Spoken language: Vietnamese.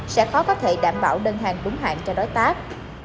sẽ khó có thể đảm bảo đơn hàng búng hạng cho đối tác